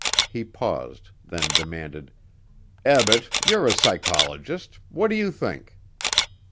He paused, then demanded: "Ebbett, you're a psychologist. What do you think?"